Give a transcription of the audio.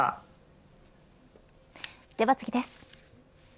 では次です。